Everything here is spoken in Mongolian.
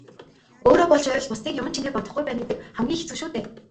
Өөрөө болж байвал бусдыг юман чинээ бодохгүй байна гэдэг хамгийн хэцүү шүү дээ.